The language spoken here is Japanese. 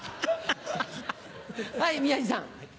はい宮治さん。